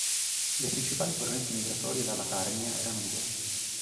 Le principali correnti migratorie dalla Carnia erano due.